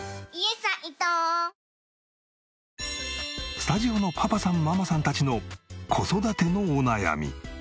スタジオのパパさんママさんたちの子育てのお悩み。